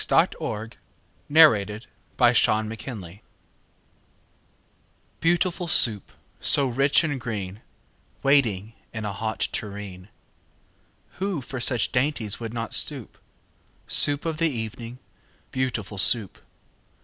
] Lewis Carroll Beautiful Soup BEAUTIFUL Soup, so rich and green, Waiting in a hot tureen! Who for such dainties would not stoop? Soup of the evening, beautiful Soup!